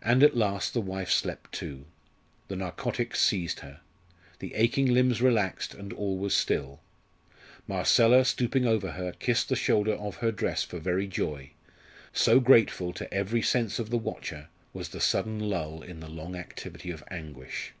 And at last the wife slept too. The narcotic seized her. The aching limbs relaxed, and all was still. Marcella, stooping over her, kissed the shoulder of her dress for very joy, so grateful to every sense of the watcher was the sudden lull in the long activity of anguish.